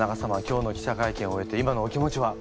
今日の記者会見を終えて今のお気持ちは？